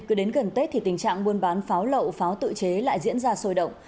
cứ đến gần tết thì tình trạng buôn bán pháo lậu pháo tự chế lại diễn ra sôi động